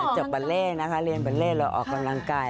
จากเบอร์เล่เรียนเบอร์เล่ละออกกำลังกาย